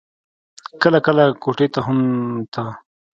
کله کله کوټې ته هم ته.